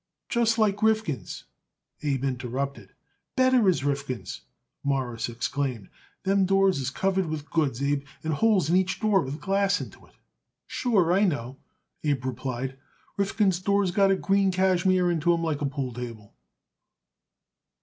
"Just like Rifkin's," Abe interrupted. "Better as Rifkin's," Morris exclaimed. "Them doors is covered with goods, Abe, and holes in each door with glass into it." "Sure, I know," Abe replied. "Rifkin's doors got green cashmere onto 'em like a pool table."